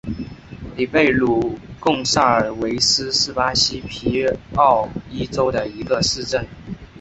里贝鲁贡萨尔维斯是巴西皮奥伊州的一个市镇。